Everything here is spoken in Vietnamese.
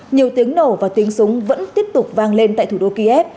nhiều tiếng nổ và tiếng súng vẫn tiếp tục vang lên tại thủ đô kiev